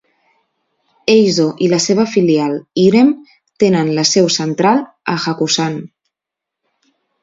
Eizo i la seva filial, Irem, tenen la seu central a Hakusan.